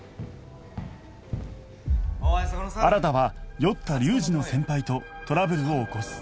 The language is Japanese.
新は酔った龍二の先輩とトラブルを起こす